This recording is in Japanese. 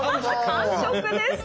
完食です！